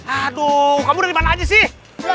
aduh kamu dimana aja sih